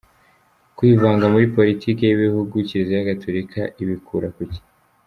Kwivanga muri Politiki y’ibihugu Kiliziya Gatolika ibikura kuki?.